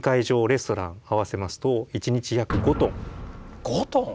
レストラン合わせますと１日５トン！